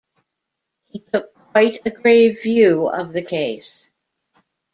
He took quite a grave view of the case.